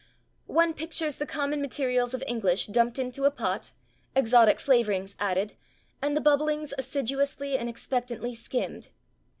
One pictures the common materials of English dumped into a pot, exotic flavorings added, and the bubblings assiduously and expectantly skimmed.